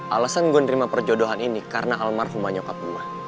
alasan gue nerima perjodohan ini karena almarhumah nyokap gue